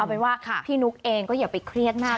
เป็นว่าพี่นุ๊กเองก็อย่าไปเครียดมาก